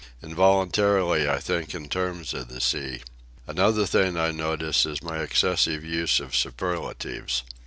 Involuntarily I think in terms of the sea. Another thing I notice is my excessive use of superlatives.